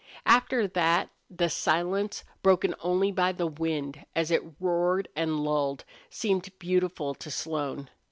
After that the silence, broken only by the wind as it roared and lulled, seemed beautiful to Slone.